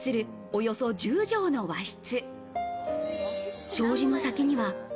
およそ１０畳の和室。